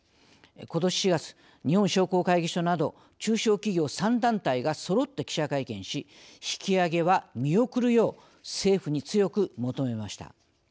ことし４月日本商工会議所など中小企業３団体がそろって記者会見し引き上げは見送るよう政府に強く求めました。